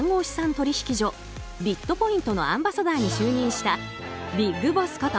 取引所ビットポイントのアンバサダーに就任したビッグボスこと